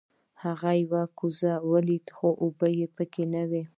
هغه یوه کوزه ولیده خو اوبه پکې نه وې.